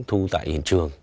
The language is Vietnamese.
thu tại hiện trường